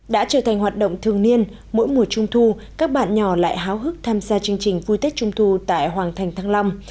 đã trở thành hoạt động thường niên mỗi mùa trung thu các bạn nhỏ lại háo hức tham gia chương trình vui tết trung thu tại hoàng thành thăng long